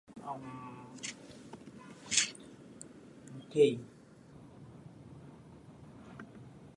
This was primarily done to save the consumer from paying high import prices.